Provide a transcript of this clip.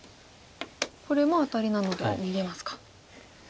これもアタリなので逃げますか。